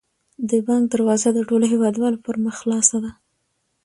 د بانک دروازه د ټولو هیوادوالو پر مخ خلاصه ده.